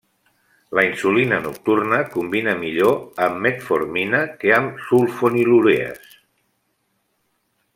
La insulina nocturna combina millor amb metformina que amb sulfonilurees.